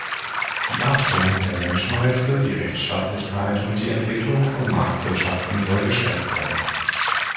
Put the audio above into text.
Die Achtung der Menschenrechte, die Rechtsstaatlichkeit und die Entwicklung von Marktwirtschaften soll gestärkt werden.